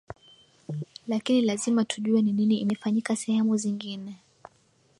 lakini lazima tujue ni nini imefanyika sehemu zingine